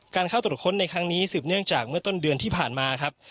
เข้าตรวจค้นในครั้งนี้สืบเนื่องจากเมื่อต้นเดือนที่ผ่านมาครับ